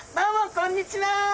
こんにちは。